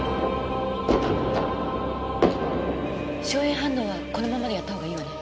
硝煙反応はこのままでやった方がいいわね。